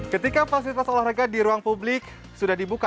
ketika fasilitas olahraga di ruang publik sudah dibuka